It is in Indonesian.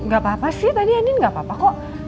gak apa apa sih tadi adin gak apa apa kok